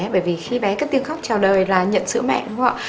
bởi vì khi bé cất tiêu khóc trào đời là nhận sữa mẹ đúng không ạ